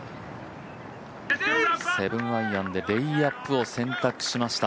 ７アイアンでレイアップを洗濯しました。